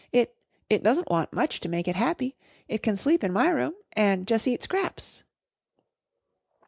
"It it doesn't want much to make it happy. It can sleep in my room an' jus' eat scraps."